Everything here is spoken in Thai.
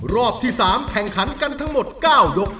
รอบที่๓แข่งขันกันทั้งหมด๙ยก